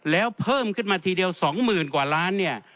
แล้วเพิ่มขึ้นมาทีเดียว๒๐๐๐กว่าล้านเนี่ย